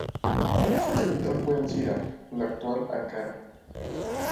Su capital fue Ancira, la actual Ankara.